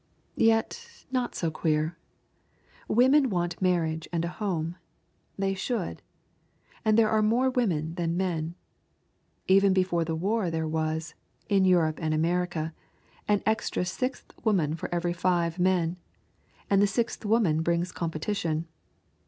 Yet not so queer. Women want marriage and a home. They should. And there are more women than men. Even before the war there was, in Europe and America, an extra sixth woman for every five men, and the sixth woman brings competition.